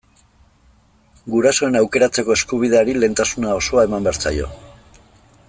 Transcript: Gurasoen aukeratzeko eskubideari lehentasuna osoa eman behar zaio.